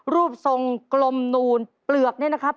รูปทรงกลมนูนเปลือกเนี่ยนะครับ